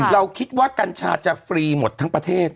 เราคิดว่ากัญชาจะฟรีหมดทั้งประเทศ